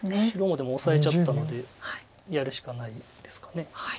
白もでもオサえちゃったのでやるしかないですか。